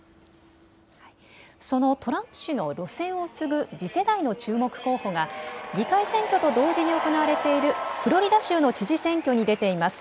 そのトランプ氏の路線を継ぐ次世代の注目候補が議会選挙と同時に行われているフロリダ州の知事選挙に出ています。